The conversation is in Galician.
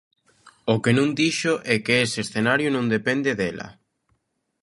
O que non dixo é que ese escenario non depende dela.